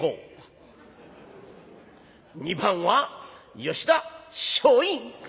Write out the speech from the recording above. ２番は吉田松陰」。